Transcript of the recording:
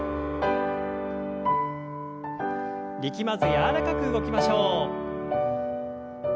力まず柔らかく動きましょう。